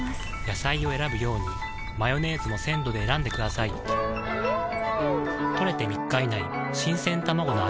野菜を選ぶようにマヨネーズも鮮度で選んでくださいん！